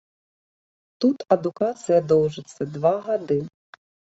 Тут адукацыя доўжыцца два гады.